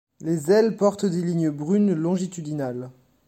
Les ailes portent des lignes brunes longitudinales.